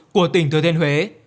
của tỉnh thừa thiên huế